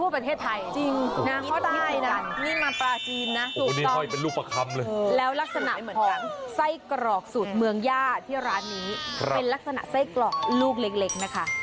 เป็นลักษณะไส้กรอกลูกเล็กนะคะ